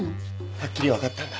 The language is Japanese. はっきり分かったんだ。